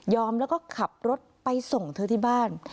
แล้วก็ขับรถไปส่งเธอที่บ้าน